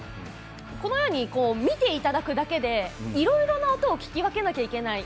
このように、見ていただくだけでいろいろな音を聞き分けなきゃいけない。